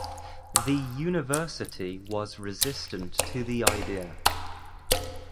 The university was resistant to the idea.